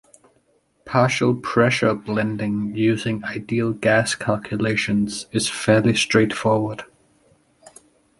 Partial pressure blending using ideal gas calculations is fairly straightforward.